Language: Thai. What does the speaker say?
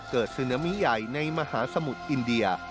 ซึนามิใหญ่ในมหาสมุทรอินเดีย